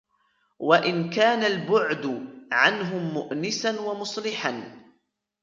وَإِنْ كَانَ الْبُعْدُ عَنْهُمْ مُؤْنِسًا وَمُصْلِحًا